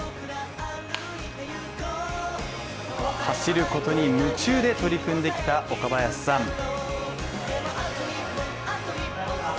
走ることに夢中で取り組んできた岡林さん。